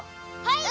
はい！